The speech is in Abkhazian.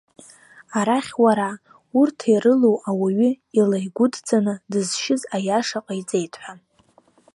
Арахь уара, урҭ ирылоу, ауаҩы илаигәыдҵаны дызшьыз аиаша ҟаиҵеит ҳәа.